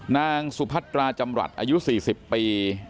นางสุพัตราจำรัฐอายุ๔๐ปี